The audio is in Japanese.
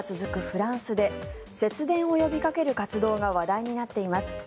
フランスで節電を呼びかける活動が話題になっています。